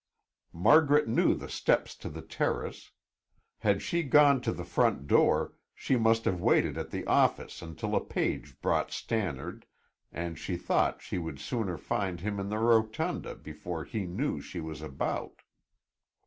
Margaret knew the steps to the terrace. Had she gone to the front door, she must have waited at the office until a page brought Stannard, and she thought she would sooner find him in the rotunda before he knew she was about.